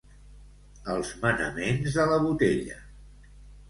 Els manaments de la botella.